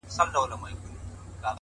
كله “كله ديدنونه زما بــدن خــوري”